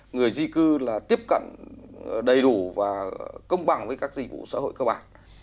người di cư là tiếp cận đầy đủ và công bằng với các dịch vụ xã hội cơ bản